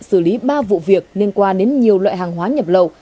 xử lý ba vụ việc liên quan đến nhiều loại hàng hóa nhập lậu